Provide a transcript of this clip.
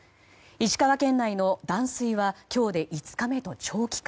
石川県内の断水は今日で５日目と長期化。